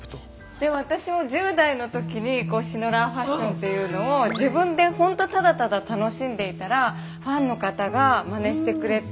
でも私も１０代の時にシノラーファッションというのを自分でほんとただただ楽しんでいたらファンの方がまねしてくれて。